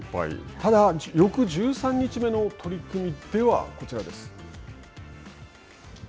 ただ、翌１３日目の取組ではこちらです。